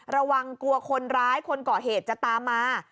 ระวังกลัวคนร้ายคนก่อเหตุจะตามมา